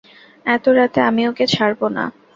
এত রাতে আমি ওঁকে ছাড়ব না।